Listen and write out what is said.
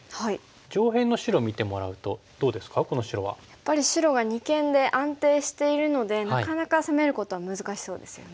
やっぱり白が二間で安定しているのでなかなか攻めることは難しそうですよね。